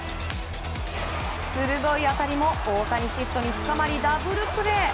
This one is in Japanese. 鋭い当たりも、大谷シフトにつかまりダブルプレー。